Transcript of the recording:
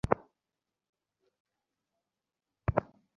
সেই সঙ্গে বিভিন্ন ভাড়া বাড়িতে থাকা কারখানাগুলোকে সরিয়ে অন্যত্র নিয়ে যেতে হবে।